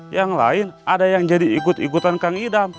yang lain ada yang jadi ikut ikutan kang idam